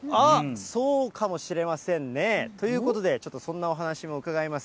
そうかもしれませんね。ということで、ちょっとそんなお話も伺います。